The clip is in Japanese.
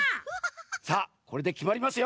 さあこれできまりますよ。